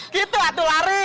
gitu atuh lari